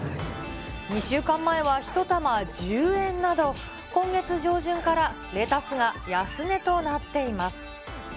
２週間前は１玉１０円など、今月上旬からレタスが安値となっています。